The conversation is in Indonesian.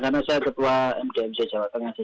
karena saya ketua mdmc jawa tengah